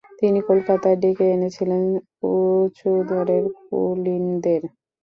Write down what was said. তিনি কলকাতায় ডেকে এনেছিলেন উঁচুদরের কুলীনদের।